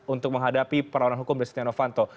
untuk menghadapi perawanan hukum dari setia novanto